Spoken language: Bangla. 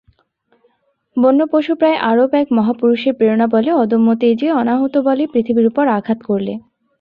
বন্যপশুপ্রায় আরব এক মহাপুরুষের প্রেরণাবলে অদম্য তেজে, অনাহত বলে পৃথিবীর উপর আঘাত করলে।